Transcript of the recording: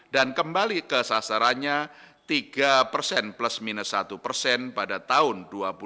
dan kembali ke sasaran kesehatan